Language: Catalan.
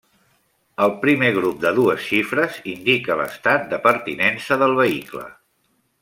El primer grup de dues xifres indica l'estat de pertinença del vehicle.